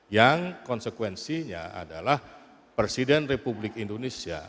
yang konsekuensinya adalah presiden republik indonesia